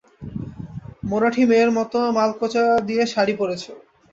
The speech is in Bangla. মরাঠী মেয়ের মতো মালকোঁচা দিয়ে শাড়ি পরেছ।